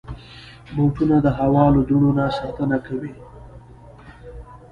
بوټونه د هوا له دوړو نه ساتنه کوي.